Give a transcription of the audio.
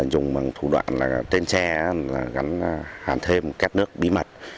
dùng thủ đoạn trên xe gắn hàn thêm két nước bí mật